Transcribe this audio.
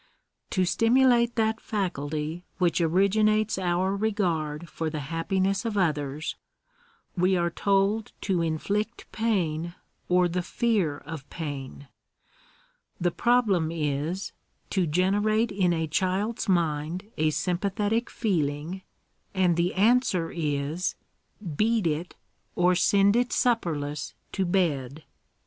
To stimulate that faculty which originates our regard for the happiness of others, we are told to inflict pain, or the fear of pain ! The problem is — to generate 'in a child's mind a sympathetic feeling; and the answer is — beat it, or send it supperless to bed !